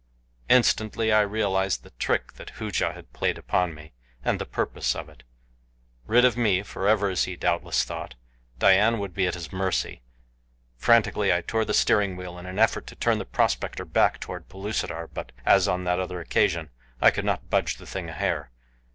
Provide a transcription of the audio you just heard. Instantly I realized the trick that Hooja had played upon me, and the purpose of it. Rid of me, forever as he doubtless thought, Dian would be at his mercy. Frantically I tore at the steering wheel in an effort to turn the prospector back toward Pellucidar; but, as on that other occasion, I could not budge the thing a hair.